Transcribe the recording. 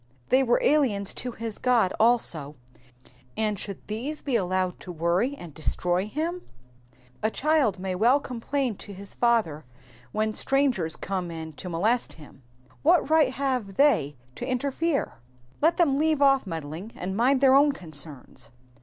They were aliens to his God also, and should these be allowed to worry and destroy him. A child may well complain to his Digitized by VjOOQIC 10 EXPOSITIONS OF THE PSALMS, father when strangers come in to molest him. What right have they to inter fere ? Let them leave off meddling and miiid their own concerns.